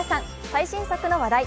最新作の話題。